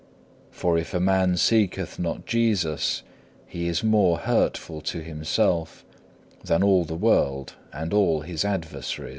For if a man seeketh not Jesus he is more hurtful to himself than all the world and all his adversaries.